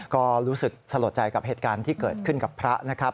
ก็รู้สึกสลดใจกับเหตุการณ์ที่เกิดขึ้นกับพระนะครับ